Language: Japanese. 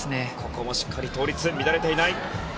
ここもしっかり倒立乱れていない。